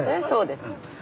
そうです。